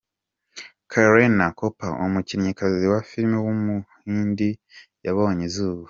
Kareena Kapoor, umukinnyikazi wa film w’umuhindi yabonye izuba,.